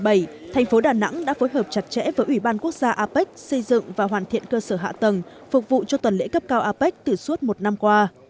năm hai nghìn một mươi bảy thành phố đà nẵng đã phối hợp chặt chẽ với ủy ban quốc gia apec xây dựng và hoàn thiện cơ sở hạ tầng phục vụ cho tuần lễ cấp cao apec từ suốt một năm qua